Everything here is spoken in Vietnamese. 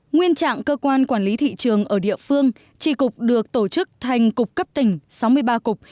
nguyên trạng cơ quan quản lý thị trường ở địa phương tri cục được tổ chức thành cục cấp tỉnh sáu mươi ba cục